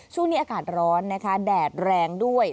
ช่วงนี้อากาศร้อนนะคะแดดแรงด้วย